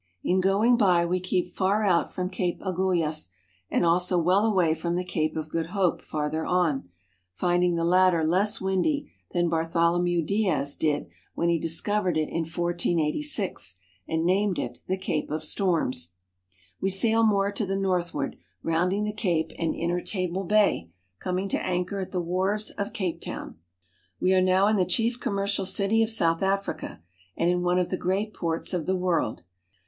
In going by, we keep tar out from Cape Agulhas and also | well away from the Cape of Good Hope farther on, find ing the latter less windy than Bartholomew Dias did when he discovered it in [486 and named it the Cape of Storms. We sail more to the northward, rounding the Cape, and enter Table Bay, coming to anchor at the wharves of Cape Town. We are now in the chief commercial city of South Africa and in one of the great ports of the world.